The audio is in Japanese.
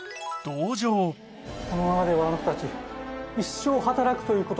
このままではあの子たち。